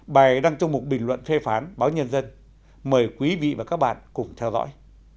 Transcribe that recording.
bài đăng trong một bình luận phê phán báo nhân dân mời quý vị và các bạn cùng theo dõi